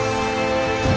kepada mereka semua